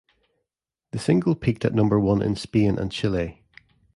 The single peaked at number one in Spain and Chile.